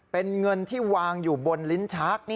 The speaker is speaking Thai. เป็นเงินที่วางอยู่บนลิ้นชัก